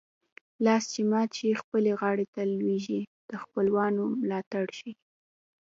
لاس چې مات شي خپلې غاړې ته لوېږي د خپلوانو ملاتړ ښيي